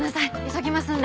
急ぎますんで。